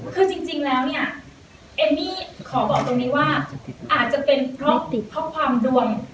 ก็จริงจริงแล้วเนี้ยขอบอกตรงนี้ว่าอาจจะเป็นเพราะเพราะความดวง